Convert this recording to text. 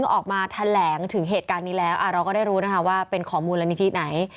ออกมาแถลงถึงเหตุการณ์นี้แล้วเราก็ได้รู้นะคะว่าเป็นของมูลนิธิไหน